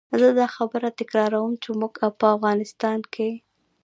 زه دا خبره تکراروم چې موږ په افغانستان کې.